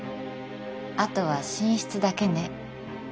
あとは寝室だけね。